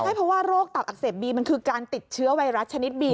ใช่เพราะว่าโรคตับอักเสบบีมันคือการติดเชื้อไวรัสชนิดบี